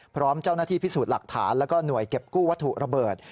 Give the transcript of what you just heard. พร้อมเจ้าหน้าที่พิสูจน์หลักฐานแล้วก็หน่วยเก็บกู้วัตถุระเบิด